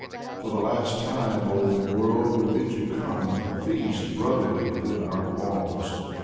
For the last time, old world, we bid you come, Feast brotherly within our walls.